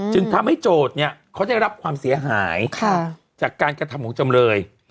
จึงทำให้โจทย์เนี่ยเขาได้รับความเสียหายจากการกระทำของจำเลย